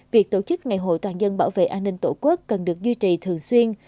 việc tổ chức ngày hội toàn dân bảo vệ an ninh tổ quốc cần được duy trì thường xuyên